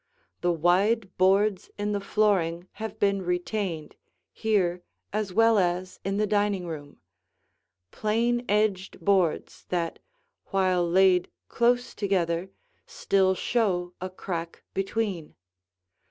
The wide boards in the flooring have been retained here as well as in the dining room, plain edged boards that, while laid close together, still show a crack between.